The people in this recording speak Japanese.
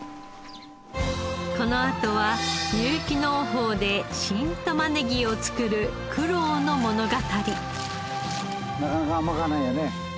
このあとは有機農法で新玉ねぎを作る苦労の物語。